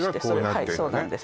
はいそうなんです